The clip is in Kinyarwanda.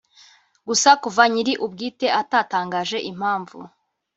gusa kuva nyiri ubwite atatangaje impamvu